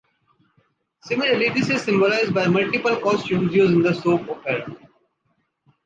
Similarly, this is symbolized by the multiple costumes used in the soap opera.